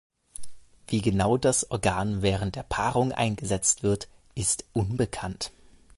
Wie genau das Organ während der Paarung eingesetzt wird, ist unbekannt.